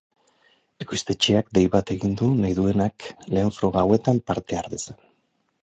Ekoiztetxeak dei bat egin du nahi duenak lehen froga hauetan parte har dezan.